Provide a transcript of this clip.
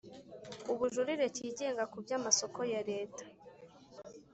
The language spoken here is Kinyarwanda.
Ubujurire Kigenga ku byamasoko ya Leta